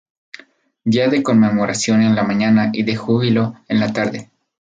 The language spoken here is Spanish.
Día de conmemoración en la mañana y de júbilo en la tarde.